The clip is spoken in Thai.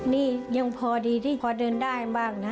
นี่ยังพอดีที่พอเดินได้บ้างนะ